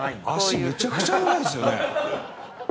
脚めちゃくちゃ長いですよね。